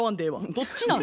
どっちなん？